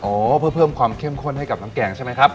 เพื่อเพิ่มความเข้มข้นให้กับน้ำแกงใช่ไหมครับ